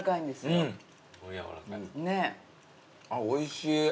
おいしい。